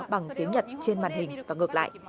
bằng tiếng nhật trên màn hình và ngược lại